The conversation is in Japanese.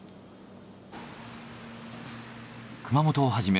熊本をはじめ。